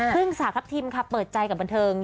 คุณสาธิบอัพพรีมค่ะเปิดใจกับบรรเทิง